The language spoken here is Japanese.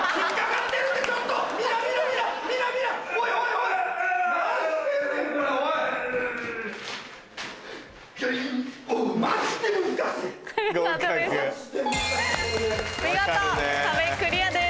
見事壁クリアです。